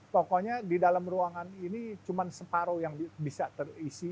pokoknya di dalam ruangan ini cuma separoh yang bisa terisi